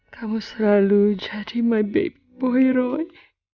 kamu selalu jadi my baby boy roy